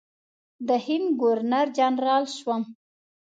د هند ګورنر جنرال شوم.